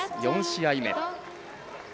４試合目。